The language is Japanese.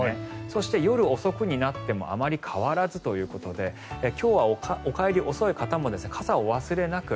そして、夜遅くになってもあまり変わらずということで今日はお帰りが遅い方も傘をお忘れなく。